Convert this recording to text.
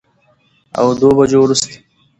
او دوو بجو وروسته